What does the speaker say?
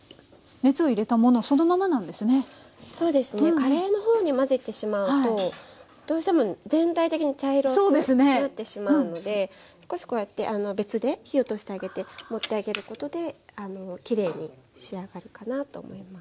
カレーのほうに混ぜてしまうとどうしても全体的に茶色くなってしまうので少しこうやって別で火を通してあげて盛ってあげることできれいに仕上がるかなと思います。